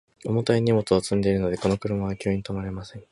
重たい荷物を積んでいるので、この車は急に止まれません。